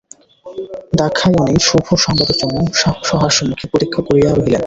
দাক্ষায়ণী শুভ সংবাদের জন্য সহাস্যমুখে প্রতীক্ষা করিয়া রহিলেন।